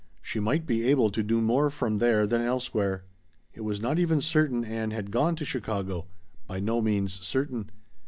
She might be able to do more from there than elsewhere. It was not even certain Ann had gone to Chicago by no means certain.